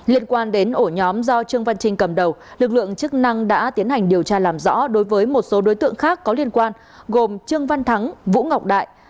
liên quan đến ổ nhóm do trương văn trinh cầm đầu lực lượng chức năng đã tiến hành điều tra làm rõ đối với một số đối tượng khác có liên quan gồm trương văn thắng vũ ngọc đại